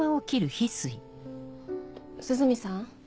涼見さん？